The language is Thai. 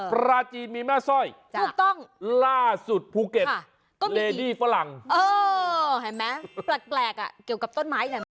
ปลาจีนมีแม่สร้อยล่าสุดภูเก็ตเลดี้ฝรั่งโอ้โหแปลกเกี่ยวกับต้นไม้